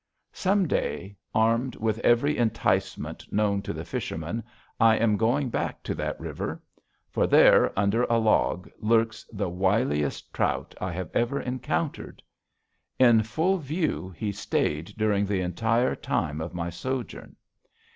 Some day, armed with every enticement known to the fisherman, I am going back to that river. For there, under a log, lurks the wiliest trout I have ever encountered. In full view he stayed during the entire time of my sojourn.